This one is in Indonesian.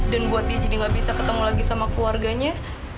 dan buat dia jadi gak bisa ketemu lagi sama keluarganya